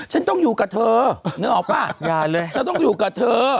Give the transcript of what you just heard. ฉันต้องอยู่กับเธอนึกออกป่ะฉันต้องอยู่กับเธอ